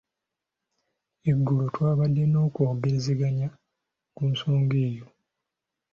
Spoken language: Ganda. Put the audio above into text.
Eggulo twabadde n'okwogerezeganya ku nsonga eyo.